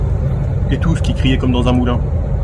Et tous qui criez comme dans un moulin !